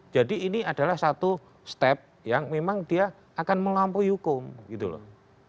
jadi ini adalah satu step yang memang dia akan melampaui hukum gitu loh